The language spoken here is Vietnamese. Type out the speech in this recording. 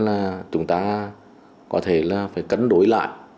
là chúng ta có thể là phải cấn đối lại